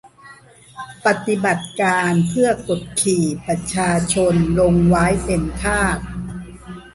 ปฏิบัติการเพื่อกดขี่ประชาชนลงไว้เป็นทาส